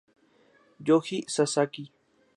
Yoji Sasaki